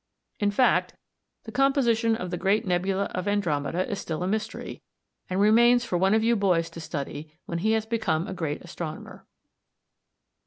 In fact, the composition of the great nebula of Andromeda is still a mystery, and remains for one of you boys to study when he has become a great astronomer.